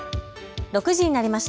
６時になりました。